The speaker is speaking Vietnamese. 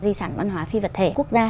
di sản văn hóa phi vật thể quốc gia